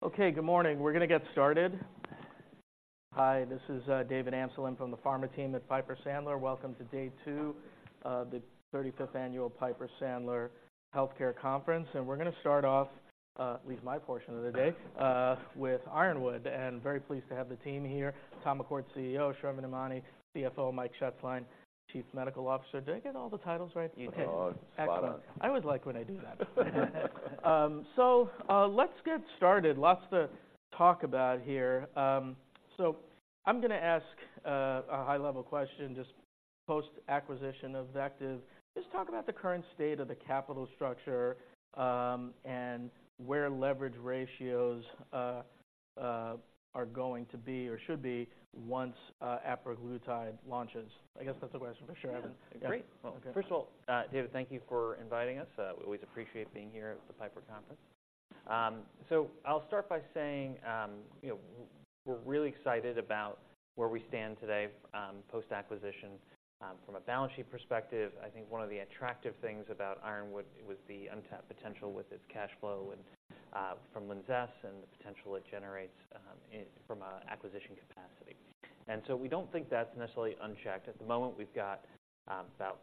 Okay, good morning. We're gonna get started. Hi, this is David Amsellem from the pharma team at Piper Sandler. Welcome to day 2 of the 35th annual Piper Sandler Healthcare Conference. We're gonna start off, at least my portion of the day, with Ironwood, and very pleased to have the team here. Tom McCourt, CEO, Sravan Emany, CFO, Mike Shetzline, Chief Medical Officer. Did I get all the titles right? You did. Okay, excellent. Spot on. I always like when I do that. So, let's get started. Lots to talk about here. So I'm gonna ask a high-level question, just post-acquisition of VectivBio. Just talk about the current state of the capital structure, and where leverage ratios are going to be or should be once apraglutide launches. I guess that's a question for sure. Yeah. Great. Okay. First of all, David, thank you for inviting us. We always appreciate being here at the Piper Conference. So I'll start by saying, you know, we're really excited about where we stand today, post-acquisition. From a balance sheet perspective, I think one of the attractive things about Ironwood was the untapped potential with its cash flow and, from LINZESS, and the potential it generates, from a acquisition capacity. And so we don't think that's necessarily unchecked. At the moment, we've got about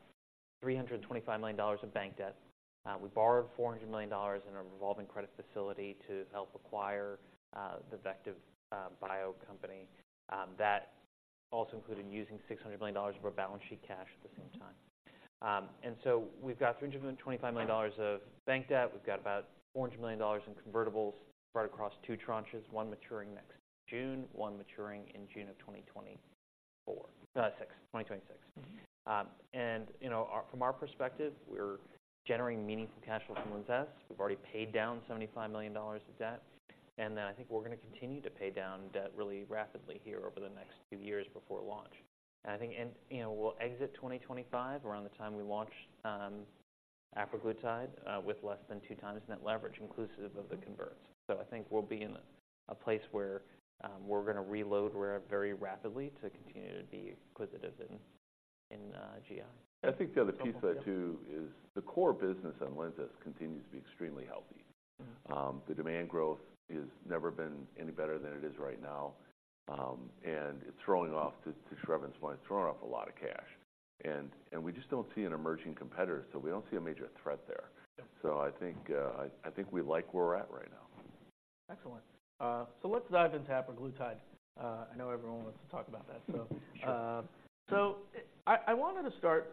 $325 million of bank debt. We borrowed $400 million in a revolving credit facility to help acquire the VectivBio company. That also included using $600 million of our balance sheet cash at the same time. So we've got $325 million of bank debt. We've got about $400 million in convertibles spread across two tranches, one maturing next June, one maturing in June 2026. You know, from our perspective, we're generating meaningful cash flow from LINZESS. We've already paid down $75 million of debt, and then I think we're gonna continue to pay down debt really rapidly here over the next few years before launch. And I think, you know, we'll exit 2025, around the time we launch apraglutide, with less than 2x net leverage, inclusive of the converts. So I think we'll be in a place where we're gonna reload very rapidly to continue to be acquisitive in GI. I think the other piece that, too, is the core business on LINZESS continues to be extremely healthy. Mm-hmm. The demand growth has never been any better than it is right now. And it's throwing off, to Sravan's point, it's throwing off a lot of cash. And we just don't see an emerging competitor, so we don't see a major threat there. Yeah. So I think we like where we're at right now. Excellent. So let's dive into apraglutide. I know everyone wants to talk about that. Sure. So I wanted to start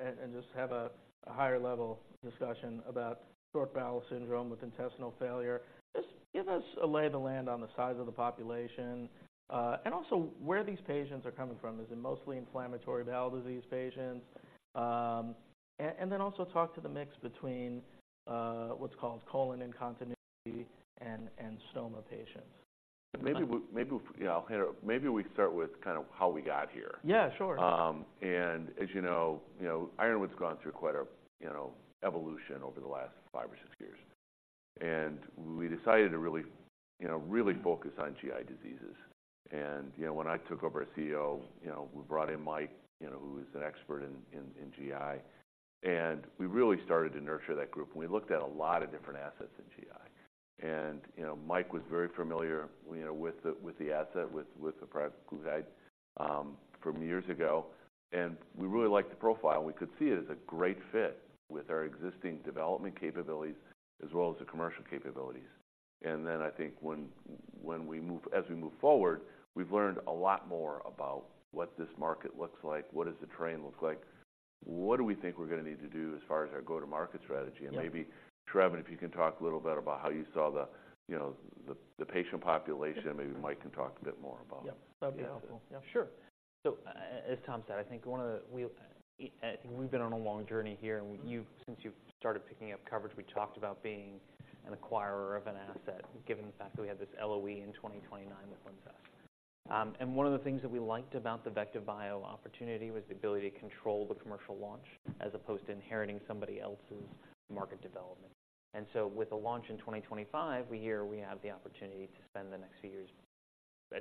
and just have a higher level discussion about short bowel syndrome with intestinal failure. Just give us a lay of the land on the size of the population, and also where these patients are coming from. Is it mostly inflammatory bowel disease patients? Then also talk to the mix between what's called colon in continuity and stoma patients. Yeah, I'll handle it. Maybe we start with kind of how we got here. Yeah, sure. And as you know, you know, Ironwood's gone through quite a, you know, evolution over the last five or six years, and we decided to really, you know, really focus on GI diseases. And, you know, when I took over as CEO, you know, we brought in Mike, you know, who is an expert in GI, and we really started to nurture that group. And we looked at a lot of different assets in GI. And, you know, Mike was very familiar, you know, with the asset, with apraglutide from years ago, and we really liked the profile. We could see it as a great fit with our existing development capabilities as well as the commercial capabilities. And then I think when we move as we move forward, we've learned a lot more about what this market looks like, what does the terrain look like? What do we think we're gonna need to do as far as our go-to-market strategy? Yeah. Maybe, Sravan, if you can talk a little bit about how you saw the, you know, the patient population. Maybe Mike can talk a bit more about- Yeah. That'd be helpful. Yeah, sure. So as Tom said, I think one of the... We've been on a long journey here, and since you've started picking up coverage, we talked about being an acquirer of an asset, given the fact that we had this LOE in 2029 with LINZESS. And one of the things that we liked about the VectivBio opportunity was the ability to control the commercial launch, as opposed to inheriting somebody else's market development. And so with the launch in 2025, we here, we have the opportunity to spend the next few years,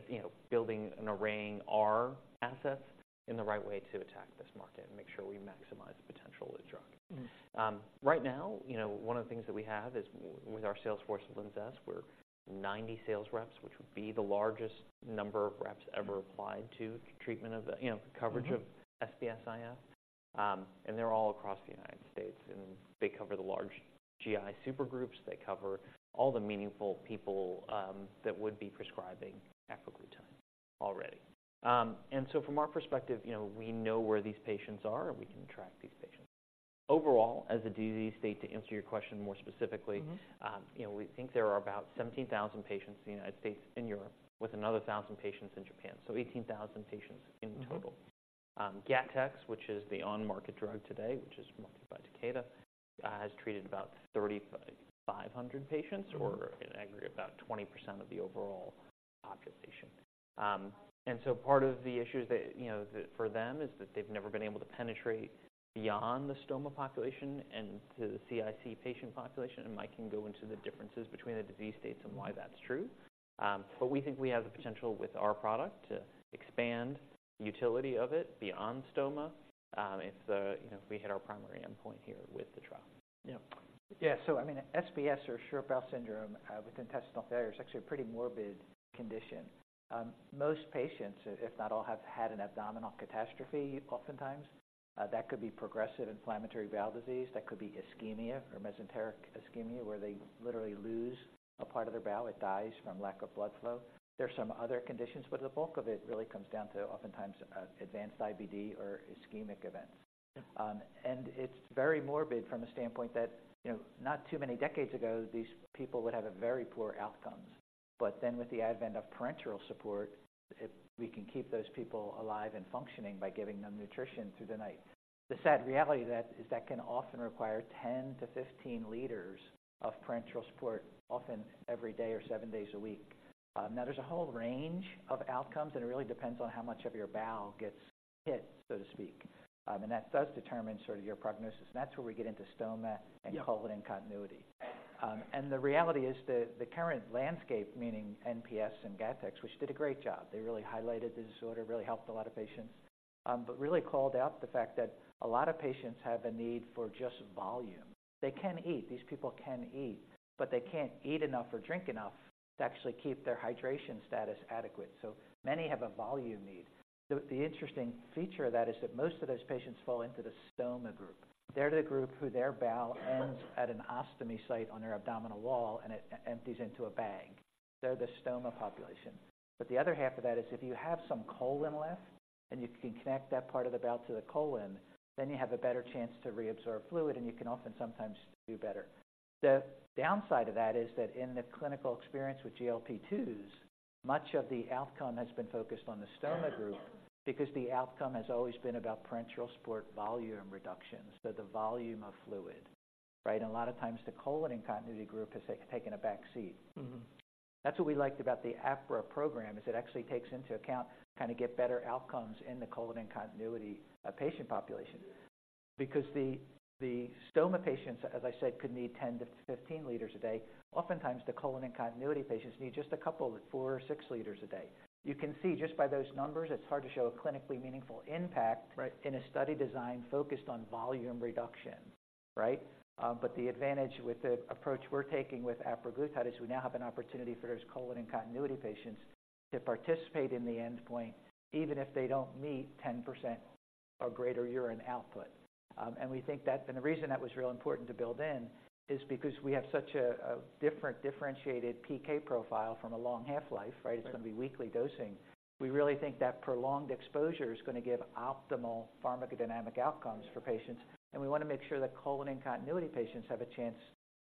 you know, building and arraying our assets in the right way to attack this market and make sure we maximize the potential of the drug. Mm. Right now, you know, one of the things that we have is, with our sales force at LINZESS, we're 90 sales reps, which would be the largest number of reps ever applied to treatment of the, you know- Mm-hmm... coverage of SBS-IF. And they're all across the United States, and they cover the large GI super groups. They cover all the meaningful people that would be prescribing apraglutide already. And so from our perspective, you know, we know where these patients are, and we can track these patients. Overall, as a disease state, to answer your question more specifically- Mm-hmm... you know, we think there are about 17,000 patients in the United States and Europe, with another 1,000 patients in Japan, so 18,000 patients in total. Mm-hmm. Gattex, which is the on-market drug today, which is marketed by Takeda, has treated about 3,500 patients- Mm-hmm... or in aggregate, about 20% of the overall patient population. And so part of the issues that, you know, for them, is that they've never been able to penetrate beyond the stoma population and to the CIC patient population, and Mike can go into the differences between the disease states and why that's true.... But we think we have the potential with our product to expand the utility of it beyond stoma, if the, you know, if we hit our primary endpoint here with the trial. Yeah. Yeah. So I mean, SBS, or short bowel syndrome, with intestinal failure, is actually a pretty morbid condition. Most patients, if not all, have had an abdominal catastrophe oftentimes. That could be progressive inflammatory bowel disease, that could be ischemia or mesenteric ischemia, where they literally lose a part of their bowel. It dies from lack of blood flow. There are some other conditions, but the bulk of it really comes down to oftentimes, advanced IBD or ischemic events. And it's very morbid from a standpoint that, you know, not too many decades ago, these people would have a very poor outcome. But then, with the advent of parenteral support, we can keep those people alive and functioning by giving them nutrition through the night. The sad reality of that is that can often require 10-15 liters of parenteral support, often every day or seven days a week. Now, there's a whole range of outcomes, and it really depends on how much of your bowel gets hit, so to speak. And that does determine sort of your prognosis, and that's where we get into stoma- Yeah. and colon discontinuity. And the reality is the current landscape, meaning NPS and Gattex, which did a great job, they really highlighted the disorder, really helped a lot of patients. But really called out the fact that a lot of patients have a need for just volume. They can eat, these people can eat, but they can't eat enough or drink enough to actually keep their hydration status adequate, so many have a volume need. The interesting feature of that is that most of those patients fall into the stoma group. They're the group who their bowel ends at an ostomy site on their abdominal wall, and it empties into a bag. They're the stoma population. But the other half of that is if you have some colon left and you can connect that part of the bowel to the colon, then you have a better chance to reabsorb fluid, and you can often sometimes do better. The downside of that is that in the clinical experience with GLP-2s, much of the outcome has been focused on the stoma group because the outcome has always been about parenteral support volume reduction, so the volume of fluid, right? And a lot of times, the colon continuity group has taken a backseat. Mm-hmm. That's what we liked about the apraglutide program, is it actually takes into account, kind of get better outcomes in the colon in continuity patient population. Because the stoma patients, as I said, could need 10-15 liters a day. Oftentimes, the colon in continuity patients need just a couple, 4 or 6 liters a day. You can see just by those numbers, it's hard to show a clinically meaningful impact. Right. In a study design focused on volume reduction, right? But the advantage with the approach we're taking with apraglutide is we now have an opportunity for those colon continuity patients to participate in the endpoint, even if they don't meet 10% or greater urine output. And we think that, and the reason that was real important to build in is because we have such a different differentiated PK profile from a long half-life, right? Right. It's going to be weekly dosing. We really think that prolonged exposure is going to give optimal pharmacodynamic outcomes for patients, and we want to make sure that colon in continuity patients have a chance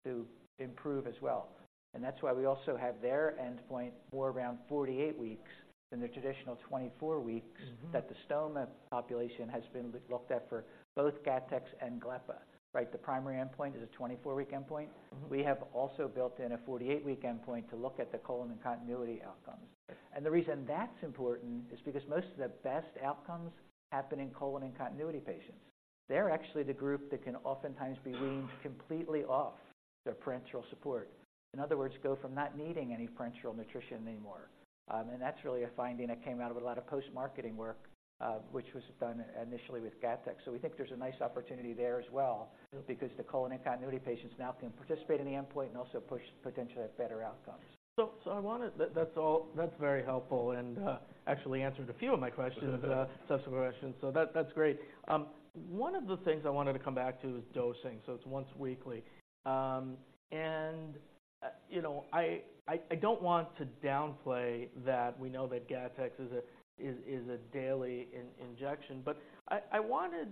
to improve as well. And that's why we also have their endpoint more around 48 weeks than the traditional 24 weeks- Mm-hmm. -that the stoma population has been looked at for both Gattex and glepaglutide, right? The primary endpoint is a 24-week endpoint. Mm-hmm. We have also built in a 48-week endpoint to look at the colon in continuity outcomes. The reason that's important is because most of the best outcomes happen in colon in continuity patients. They're actually the group that can oftentimes be weaned completely off their parenteral support. In other words, go from not needing any parenteral nutrition anymore. And that's really a finding that came out of a lot of post-marketing work, which was done initially with Gattex. So we think there's a nice opportunity there as well- Mm-hmm. because the colon-in-continuity patients now can participate in the endpoint and also push potentially better outcomes. So I wanted... That's all, that's very helpful and actually answered a few of my questions, subsequent questions. So that's great. One of the things I wanted to come back to was dosing. So it's once weekly. And, you know, I don't want to downplay that we know that Gattex is a daily injection, but I wanted,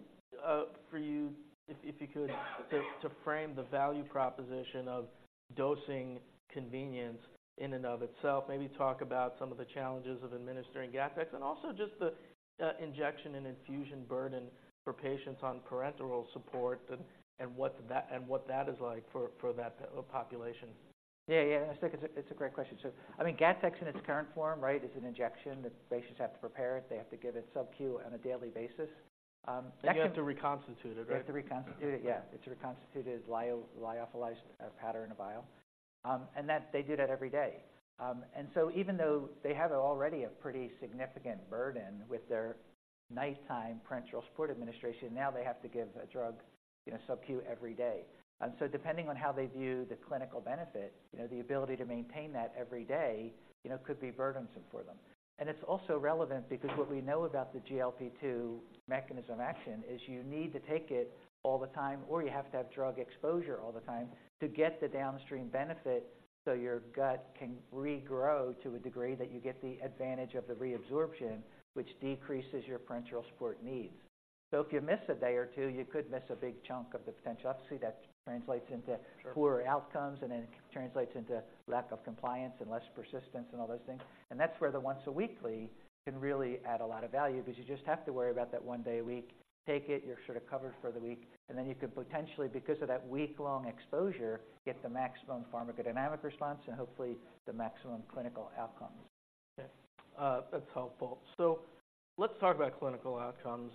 for you, if you could- Yeah. to frame the value proposition of dosing convenience in and of itself. Maybe talk about some of the challenges of administering Gattex and also just the injection and infusion burden for patients on parenteral support and what that is like for that population. Yeah, yeah, I think it's a great question. So, I mean, Gattex, in its current form, right, is an injection that patients have to prepare it. They have to give it sub-Q on a daily basis. That can- They have to reconstitute it, right? They have to reconstitute it, yeah. Yeah. It's reconstituted lyophilized powder in a vial. That, they do that every day. And so even though they have already a pretty significant burden with their nighttime parenteral support administration, now they have to give a drug, you know, sub-Q every day. And so depending on how they view the clinical benefit, you know, the ability to maintain that every day, you know, could be burdensome for them. And it's also relevant because what we know about the GLP-2 mechanism action is you need to take it all the time, or you have to have drug exposure all the time to get the downstream benefit, so your gut can regrow to a degree that you get the advantage of the reabsorption, which decreases your parenteral support needs. So if you miss a day or two, you could miss a big chunk of the potential. Obviously, that translates into- Sure... poorer outcomes, and then it translates into lack of compliance and less persistence and all those things. That's where the once a weekly can really add a lot of value because you just have to worry about that one day a week. Take it, you're sort of covered for the week, and then you could potentially, because of that week-long exposure, get the maximum pharmacodynamic response and hopefully the maximum clinical outcome.... Okay, that's helpful. So let's talk about clinical outcomes.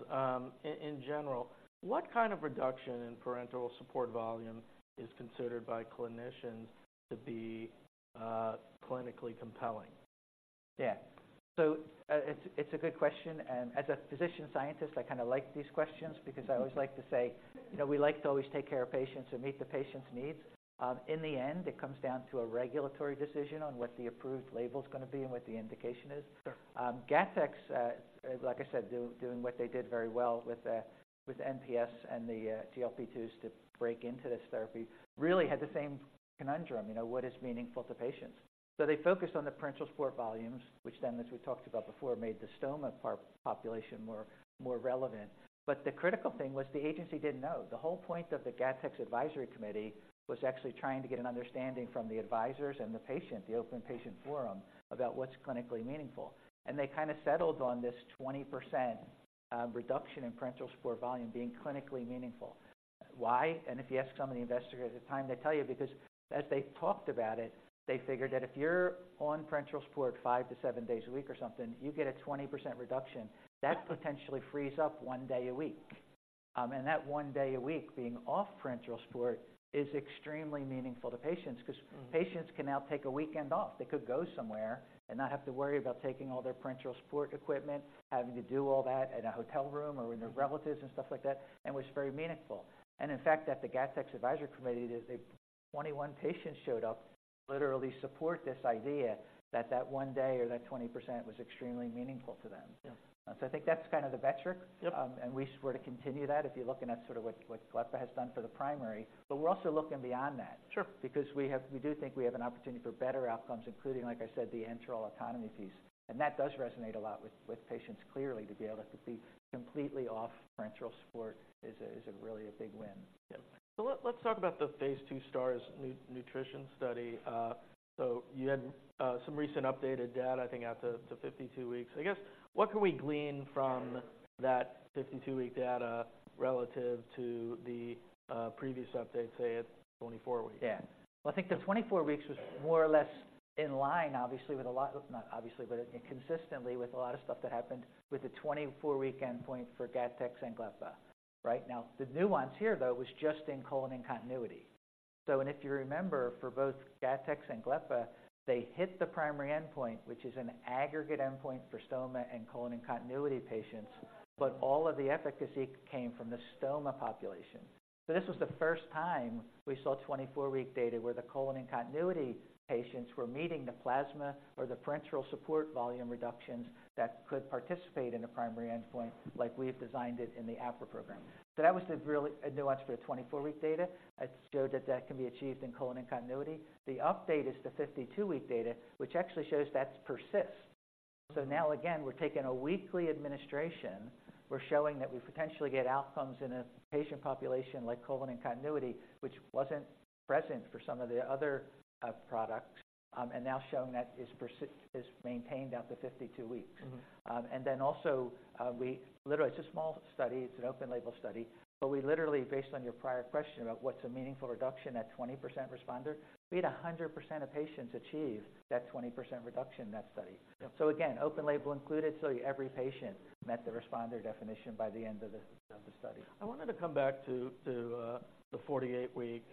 In general, what kind of reduction in parenteral support volume is considered by clinicians to be clinically compelling? Yeah. So, it's a good question, and as a physician-scientist, I kinda like these questions because I always like to say, you know, we like to always take care of patients and meet the patient's needs. In the end, it comes down to a regulatory decision on what the approved label is gonna be and what the indication is. Sure. Gattex, like I said, doing what they did very well with NPS and the GLP-2s to break into this therapy, really had the same conundrum. You know, what is meaningful to patients? So they focused on the parenteral support volumes, which then, as we talked about before, made the stoma population more relevant. But the critical thing was the agency didn't know. The whole point of the Gattex advisory committee was actually trying to get an understanding from the advisors and the patient, the open patient forum, about what's clinically meaningful. And they kinda settled on this 20% reduction in parenteral support volume being clinically meaningful. Why? If you ask some of the investigators at the time, they tell you because as they talked about it, they figured that if you're on parenteral support 5-7 days a week or something, you get a 20% reduction. That potentially frees up 1 day a week. And that 1 day a week being off parenteral support is extremely meaningful to patients, 'cause- Mm-hmm. Patients can now take a weekend off. They could go somewhere and not have to worry about taking all their parenteral support equipment, having to do all that in a hotel room or- Mm-hmm. -with their relatives and stuff like that, and was very meaningful. And in fact, at the Gattex Advisory Committee, there's 21 patients showed up, literally support this idea that that one day or that 20% was extremely meaningful to them. Yeah. I think that's kind of the metric. Yep. We're set to continue that if you're looking at sort of what glepaglutide has done for the primary. But we're also looking beyond that- Sure. Because we have... We do think we have an opportunity for better outcomes, including, like I said, the enteral autonomy piece, and that does resonate a lot with patients. Clearly, to be able to be completely off parenteral support is a really big win. Yeah. So let's talk about the Phase 2 STARS Nutrition study. So you had some recent updated data, I think, out to 52 weeks. I guess, what can we glean from that 52-week data relative to the previous update, say, at 24 weeks? Yeah. Well, I think the 24 weeks was more or less in line, obviously, with a lot... Not obviously, but consistently with a lot of stuff that happened with the 24-week endpoint for Gattex and Glepa. Right? Now, the nuance here, though, was just in colon continuity. So and if you remember, for both Gattex and Glepa, they hit the primary endpoint, which is an aggregate endpoint for stoma and colon continuity patients, but all of the efficacy came from the stoma population. So this was the first time we saw 24-week data, where the colon continuity patients were meeting the PS or the parenteral support volume reductions that could participate in a primary endpoint like we've designed it in the Apra program. So that was the really a nuance for the 24-week data. It showed that that can be achieved in colon continuity. The update is the 52-week data, which actually shows that persists. So now, again, we're taking a weekly administration. We're showing that we potentially get outcomes in a patient population like colon in continuity, which wasn't present for some of the other products, and now showing that is maintained out to 52 weeks. Mm-hmm. And then also, literally, it's a small study. It's an open-label study, but we literally, based on your prior question about what's a meaningful reduction at 20% responder, we had 100% of patients achieve that 20% reduction in that study. Yeah. Again, open label included, so every patient met the responder definition by the end of the study. I wanted to come back to the 48-week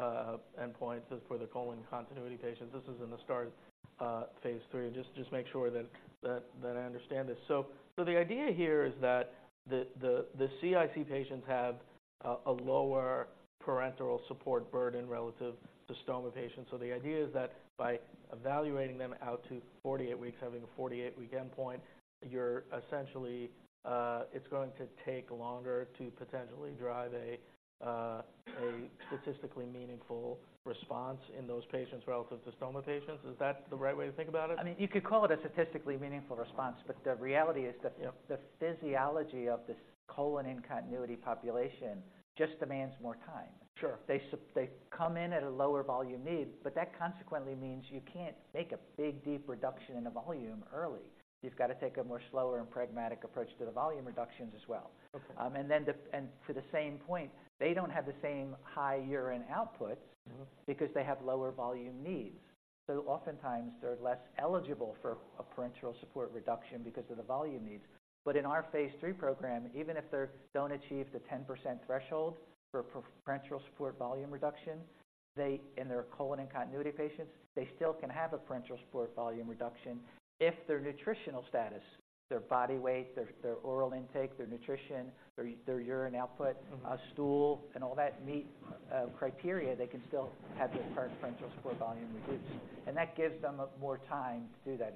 endpoints as for the colon in continuity patients. This is in the STARS Phase 3. Just make sure that I understand this. So the idea here is that the CIC patients have a lower parenteral support burden relative to stoma patients. So the idea is that by evaluating them out to 48 weeks, having a 48-week endpoint, you're essentially it's going to take longer to potentially drive a statistically meaningful response in those patients relative to stoma patients. Is that the right way to think about it? I mean, you could call it a statistically meaningful response, but the reality is that- Yeah... the physiology of this colon in continuity population just demands more time. Sure. They come in at a lower volume need, but that consequently means you can't make a big, deep reduction in the volume early. You've got to take a more slower and pragmatic approach to the volume reductions as well. Okay. To the same point, they don't have the same high urine outputs- Mm-hmm Because they have lower volume needs. So oftentimes, they're less eligible for a parenteral support reduction because of the volume needs. But in our phase 3 program, even if they don't achieve the 10% threshold for parenteral support volume reduction, they, in their colon in continuity patients, they still can have a parenteral support volume reduction if their nutritional status, their body weight, their oral intake, their nutrition, their urine output- Mm-hmm stool, and all that meet criteria, they can still have their parenteral support volume reduced, and that gives them a more time to do that,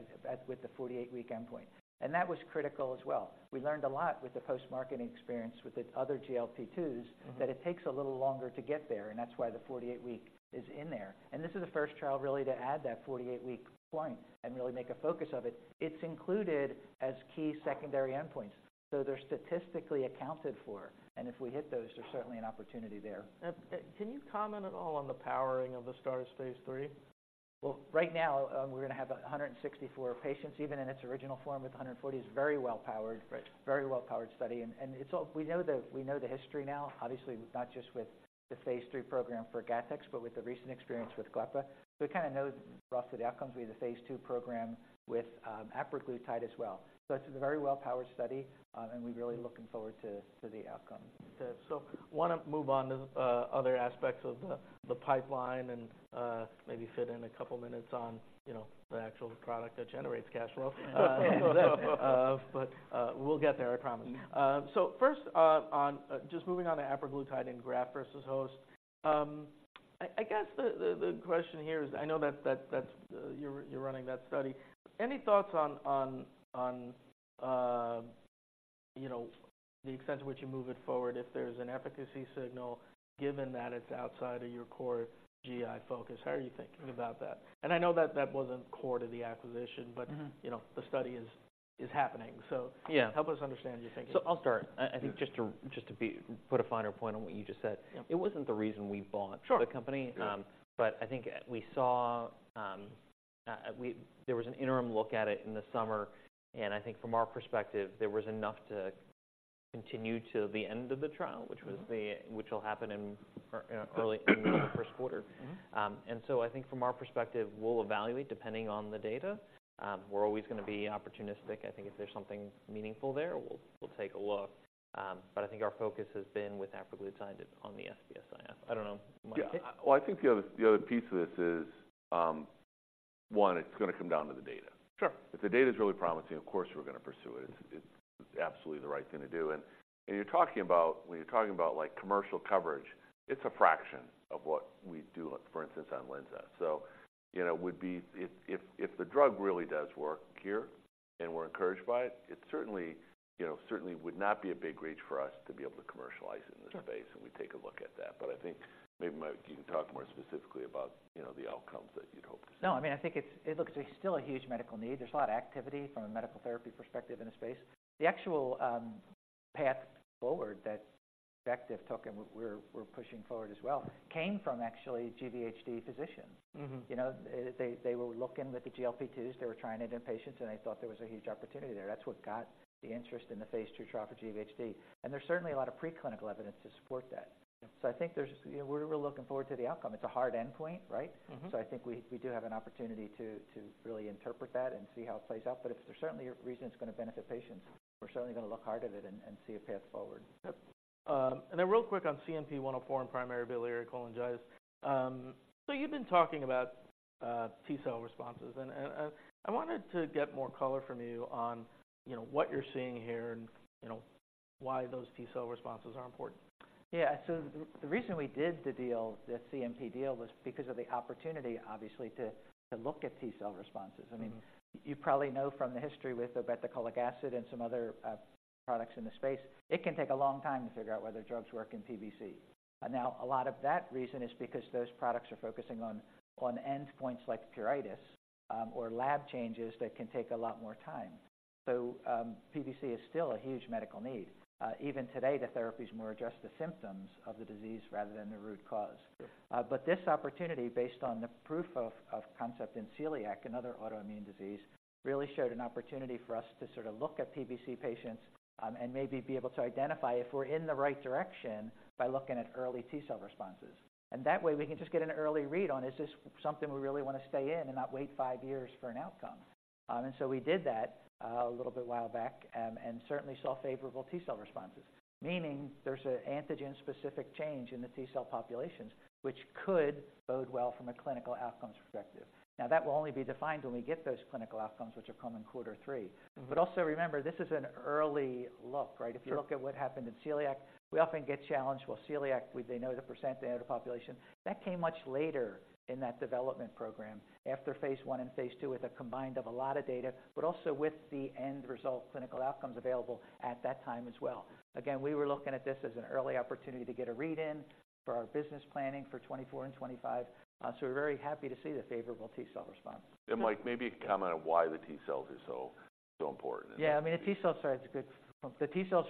with the 48-week endpoint. That was critical as well. We learned a lot with the post-marketing experience with the other GLP-2s. Mm-hmm that it takes a little longer to get there, and that's why the 48-week is in there. This is the first trial really to add that 48-week point and really make a focus of it. It's included as key secondary endpoints, so they're statistically accounted for. If we hit those, there's certainly an opportunity there. Can you comment at all on the powering of the STARS Phase 3? ...Well, right now, we're gonna have 164 patients, even in its original form, with 140 is very well-powered. Right. Very well-powered study. And it's all, we know the history now, obviously, not just with the phase III program for Gattex, but with the recent experience with glepaglutide. So we kinda know roughly the outcomes. We have the phase II program with apraglutide as well. So it's a very well-powered study, and we're really looking forward to the outcome. Okay, so wanna move on to other aspects of the pipeline and maybe fit in a couple of minutes on, you know, the actual product that generates cash flow. But we'll get there, I promise. So first, on just moving on to apraglutide and graft versus host. I guess the question here is I know that that's you're running that study. Any thoughts on, you know, the extent to which you move it forward if there's an efficacy signal, given that it's outside of your core GI focus? How are you thinking about that? And I know that that wasn't core to the acquisition- Mm-hmm. you know, the study is happening. So- Yeah. Help us understand your thinking. So I'll start. I think just to put a finer point on what you just said. Yeah. It wasn't the reason we bought- Sure -the company. Yeah. But I think we saw there was an interim look at it in the summer, and I think from our perspective, there was enough to continue till the end of the trial. Mm-hmm which will happen in early first quarter. Mm-hmm. So I think from our perspective, we'll evaluate depending on the data. We're always gonna be opportunistic. I think if there's something meaningful there, we'll take a look. I think our focus has been with apraglutide on the SBS-IF. I don't know, Mike? Yeah. Well, I think the other, the other piece of this is, one, it's gonna come down to the data. Sure. If the data is really promising, of course, we're gonna pursue it. It's absolutely the right thing to do. And you're talking about... When you're talking about commercial coverage, it's a fraction of what we do, for instance, on LINZESS. So you know, would be, if the drug really does work here and we're encouraged by it, it certainly, you know, certainly would not be a big reach for us to be able to commercialize it- Sure in this space, and we'd take a look at that. But I think maybe, Mike, you can talk more specifically about, you know, the outcomes that you'd hope to see. No, I mean, I think it's, it looks, there's still a huge medical need. There's a lot of activity from a medical therapy perspective in the space. The actual path forward that Vectiv took, and we're pushing forward as well, came from actually GVHD physicians. Mm-hmm. You know, they were looking with the GLP-2s. They were trying it in patients, and they thought there was a huge opportunity there. That's what got the interest in the phase II trial for GVHD. There's certainly a lot of preclinical evidence to support that. Yeah. I think there's, you know, we're looking forward to the outcome. It's a hard endpoint, right? Mm-hmm. So I think we do have an opportunity to really interpret that and see how it plays out. But if there's certainly a reason it's gonna benefit patients, we're certainly gonna look hard at it and see a path forward. Yep. And then real quick on CNP-104 and primary biliary cholangitis. So you've been talking about T-cell responses, and I wanted to get more color from you on, you know, what you're seeing here and, you know, why those T-cell responses are important. Yeah. So the reason we did the deal, the CNP deal, was because of the opportunity, obviously, to look at T-cell responses. Mm-hmm. I mean, you probably know from the history with obeticholic acid and some other products in the space, it can take a long time to figure out whether drugs work in PBC. Now, a lot of that reason is because those products are focusing on endpoints like pruritus or lab changes that can take a lot more time. So, PBC is still a huge medical need. Even today, the therapies more adjust the symptoms of the disease rather than the root cause. Sure. But this opportunity, based on the proof of concept in celiac and other autoimmune disease, really showed an opportunity for us to sort of look at PBC patients, and maybe be able to identify if we're in the right direction by looking at early T-cell responses. That way, we can just get an early read on, is this something we really want to stay in and not wait five years for an outcome? So we did that, a little bit while back, and certainly saw favorable T-cell responses, meaning there's an antigen-specific change in the T-cell populations, which could bode well from a clinical outcomes perspective. Now, that will only be defined when we get those clinical outcomes, which are coming in quarter three. Mm-hmm. But also, remember, this is an early look, right? Sure. If you look at what happened in celiac, we often get challenged. Well, celiac, they know the percent, they know the population. That came much later in that development program, after phase I and phase II, with a combined of a lot of data, but also with the end result, clinical outcomes available at that time as well. Again, we were looking at this as an early opportunity to get a read in for our business planning for 2024 and 2025. So we're very happy to see the favorable T-cell response. Mike, maybe you can comment on why the T-cells are so, so important? Yeah. I mean, the T-cells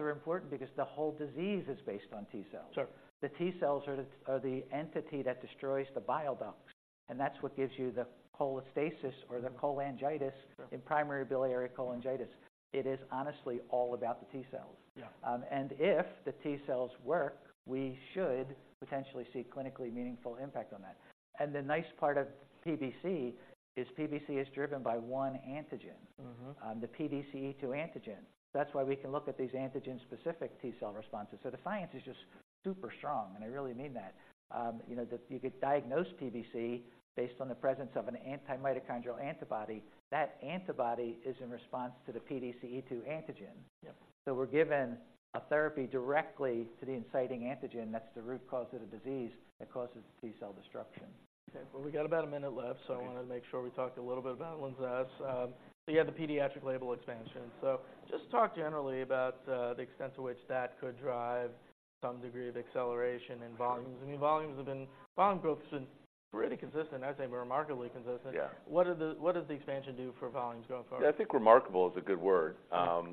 are important because the whole disease is based on T-cells. Sure. The T-cells are the entity that destroys the bile ducts, and that's what gives you the cholestasis or the cholangitis. Sure -in primary biliary cholangitis. It is honestly all about the T-cells. Yeah. And if the T-cells work, we should potentially see clinically meaningful impact on that. And the nice part of PBC is, PBC is driven by one antigen. Mm-hmm. The PDC-E2 antigen. That's why we can look at these antigen-specific T-cell responses. So the science is just super strong, and I really mean that. You know, you could diagnose PBC based on the presence of an anti-mitochondrial antibody. That antibody is in response to the PDC-E2 antigen. Yep. We're giving a therapy directly to the inciting antigen. That's the root cause of the disease that causes T-cell destruction. Okay, well, we got about a minute left- Great. So I wanna make sure we talk a little bit about LINZESS. So you have the pediatric label expansion. So just talk generally about the extent to which that could drive some degree of acceleration and volumes. Sure. I mean, volumes have been, volume growth has been pretty consistent. I'd say remarkably consistent. Yeah. What does the expansion do for volumes going forward? Yeah, I think remarkable is a good word. I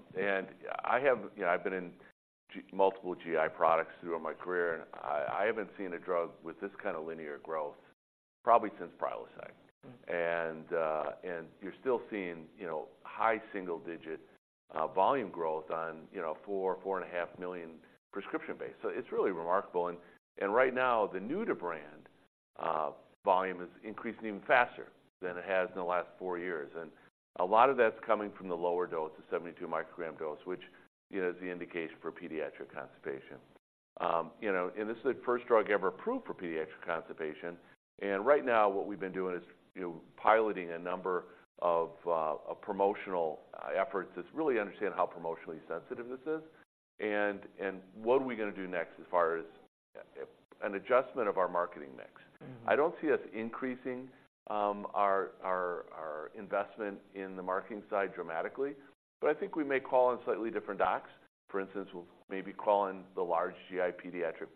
have, you know, I've been in multiple GI products throughout my career, and I haven't seen a drug with this kind of linear growth probably since Prilosec. Mm. You're still seeing, you know, high single-digit volume growth on, you know, 4-4.5 million prescription base. So it's really remarkable. And right now, the new-to-brand volume is increasing even faster than it has in the last 4 years. And a lot of that's coming from the lower dose, the 72-microgram dose, which, you know, is the indication for pediatric constipation. You know, and this is the first drug ever approved for pediatric constipation. And right now, what we've been doing is, you know, piloting a number of promotional efforts to really understand how promotionally sensitive this is and what are we gonna do next as far as an adjustment of our marketing mix. Mm-hmm. I don't see us increasing our investment in the marketing side dramatically, but I think we may call on slightly different docs. For instance, we'll maybe call in the large GI pediatric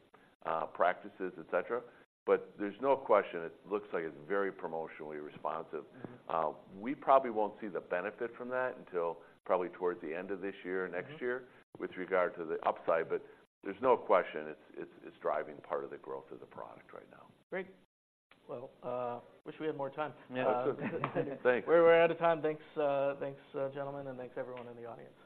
practices, et cetera. But there's no question, it looks like it's very promotionally responsive. Mm-hmm. We probably won't see the benefit from that until probably towards the end of this year or next year. Mm-hmm With regard to the upside, but there's no question, it's driving part of the growth of the product right now. Great. Well, wish we had more time. Yeah. Thanks. We're out of time. Thanks, thanks, gentlemen, and thanks everyone in the audience.